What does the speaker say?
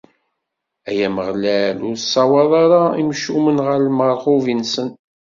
Ay Ameɣlal, ur ssawaḍ ara imcumen ɣer lmerɣub-nsen!